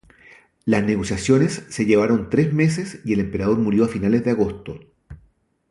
Las negociaciones se llevaron tres meses y el emperador murió a finales de agosto.